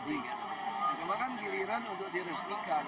ini memang kan giliran untuk diresmikan